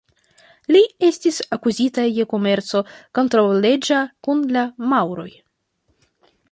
Li estis akuzita je komerco kontraŭleĝa kun la maŭroj.